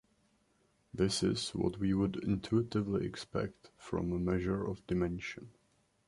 This is what we would intuitively expect from a measure of dimension.